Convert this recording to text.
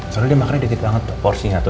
soalnya dia makannya dikit banget porsinya tuh